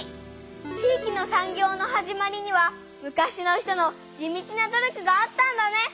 地域の産業の始まりには昔の人の地道な努力があったんだね！